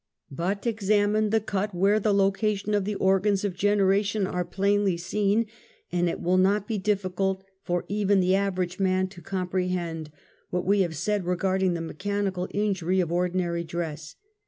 But examine the cut where the location of the organs of generation are plainly seen, and it will not be diffi cult for even the average man to comprehend what we have said regarding the mechanical injury of or dinary dress.